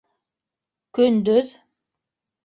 Көндөҙ...